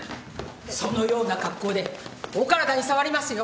そのような格好でお体に障りますよ。